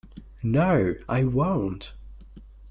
No - I won’t!